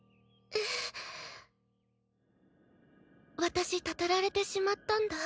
私祟られてしまったんだ。